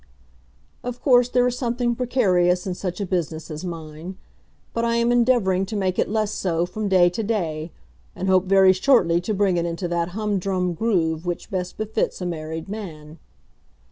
Of course there is something precarious in such a business as mine; but I am endeavouring to make it less so from day to day, and hope very shortly to bring it into that humdrum groove which best befits a married man.